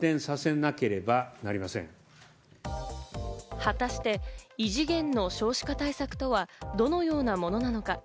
果たして異次元の少子化対策とは、どのようなものなのか？